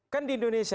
kan di indonesia ya